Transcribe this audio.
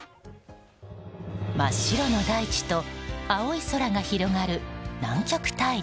真っ白の大地と青い空が広がる、南極大陸。